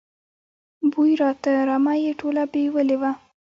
بوی راته، رمه یې ټوله بېولې وه.